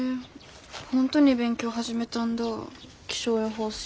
本当に勉強始めたんだ気象予報士。